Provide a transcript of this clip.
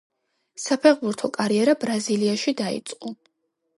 საფეხბურთო კარიერა ბრაზილიაში დაიწყო.